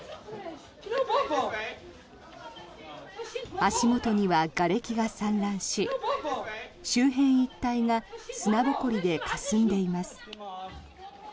足元には、がれきが散乱し周辺一帯が砂ぼこりでかすんでいます。